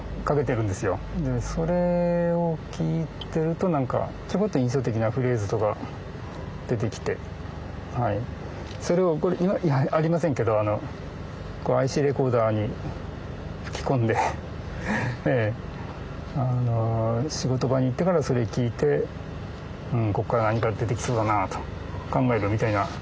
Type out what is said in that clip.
それを聴いてると何かちょこっと印象的なフレーズとか出てきてそれをこれ今はありませんけどＩＣレコーダーに吹き込んで仕事場に行ってからそれ聴いてここから何か出てきそうだなと考えるみたいな。